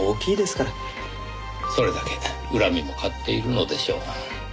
それだけ恨みも買っているのでしょう。